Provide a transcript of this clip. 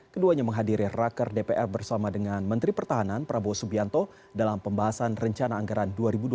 keduanya menghadiri raker dpr bersama dengan menteri pertahanan prabowo subianto dalam pembahasan rencana anggaran dua ribu dua puluh